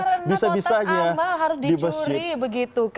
karena kotak amal harus dicuri begitu